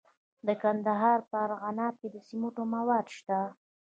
د کندهار په ارغنداب کې د سمنټو مواد شته.